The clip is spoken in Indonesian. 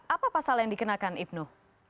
apa pasal yang dikenakan ibnu